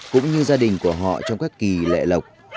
cũng như gia đình của họ trong các kỳ lệ lộc